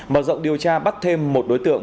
mở rộng điều tra bắt thêm một đối tượng